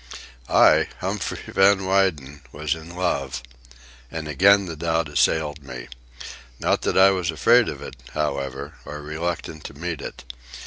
I, Humphrey Van Weyden, was in love! And again the doubt assailed me. Not that I was afraid of it, however, or reluctant to meet it.